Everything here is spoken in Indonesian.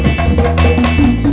masih gak diangkat